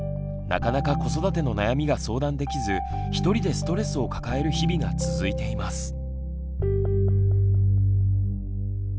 なかなか子育ての悩みが相談できずひとりでストレスを抱える日々が続いています。